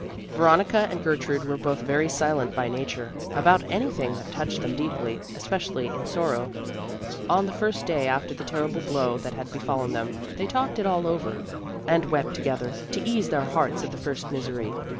Veronica and Gertrude were both very silent by nature, about anything that touched them deeply, especially in sorrow. On the first day after the terrible blow that had befallen them, they talked it all over, and wept together, to ease their hearts of the first misery.